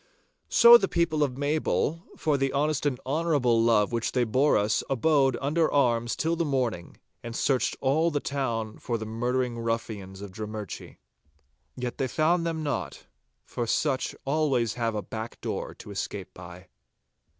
So the people of Maybole, for the honest and honourable love which they bore us, abode under arms till the morning, and searched all the town for the murdering ruffians of Drummurchie. Yet they found them not, for such always have a back door to escape by.